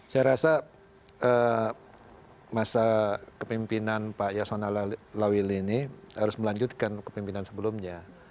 saya rasa masa kepimpinan pak yasona lawili ini harus melanjutkan kepimpinan sebelumnya